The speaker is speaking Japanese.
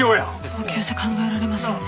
東京じゃ考えられませんね。